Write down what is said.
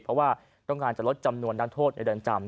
เพราะว่าต้องการจะลดจำนวนนักโทษในเรือนจำ